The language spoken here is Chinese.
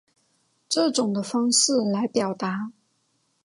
这种的方式来表示。